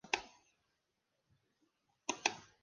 Se alimenta en el suelo, de pequeñas semillas.